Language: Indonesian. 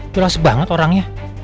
jelas banget orangnya